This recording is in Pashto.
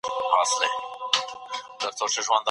تر بېديدو مخکي به رسول الله له چا سره کښيناستی؟